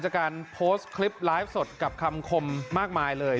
จากการโพสต์คลิปไลฟ์สดกับคำคมมากมายเลย